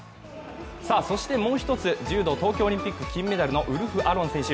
そしてもう一つ、柔道東京オリンピック金メダルのウルフ・アロン選手